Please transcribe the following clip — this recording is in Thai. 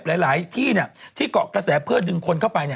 หลายที่ที่เกาะกระแสเพื่อดึงคนเข้าไป